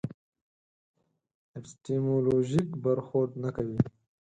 اپیستیمولوژیک برخورد نه کوي.